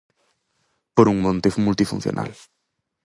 Por un monte multifuncional.